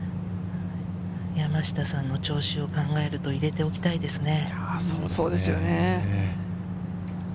山下さんの調子を考えると入れておきたいですね。